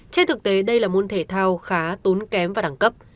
trên thực tế đây là môn thể thao khá tốn kém và đẳng cấp